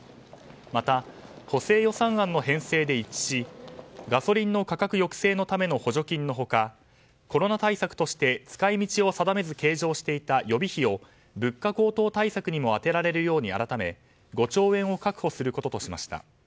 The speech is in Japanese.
また補正予算案の編成で一致しガソリンの価格抑制のための補助金の他コロナ対策として使い道を定めず計上していた予備費を物価高騰対策にも充てられるように改め５兆円を確保することとしました。